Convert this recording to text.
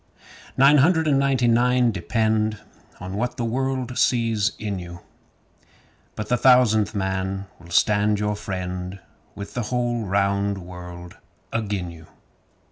Nine hundred and ninety nine depend on what the world sees in you, But the Thousandth Man will stand your friend With the whole round world agin you.